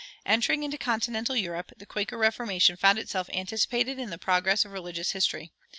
Entering into continental Europe, the Quaker Reformation found itself anticipated in the progress of religious history.